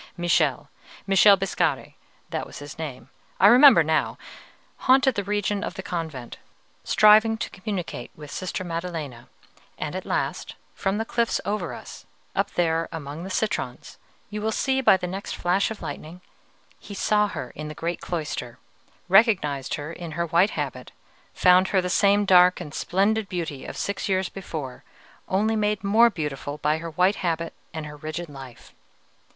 Michele Michele Biscari, that was his name; I remember now haunted the region of the convent, striving to communicate with Sister Maddelena; and at last, from the cliffs over us, up there among the citrons you will see by the next flash of lightning he saw her in the great cloister, recognized her in her white habit, found her the same dark and splendid beauty of six years before, only made more beautiful by her white habit and her rigid life.